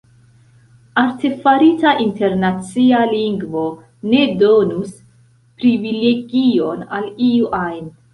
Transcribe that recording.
Artefarita internacia lingvo ne donus privilegion al iu ajn.